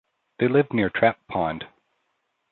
They lived near Trap Pond.